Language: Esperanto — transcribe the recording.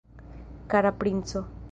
Kara princo!